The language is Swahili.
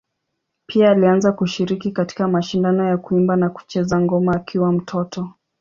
Pia alianza kushiriki katika mashindano ya kuimba na kucheza ngoma akiwa mtoto.